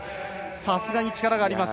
さすがに力があります。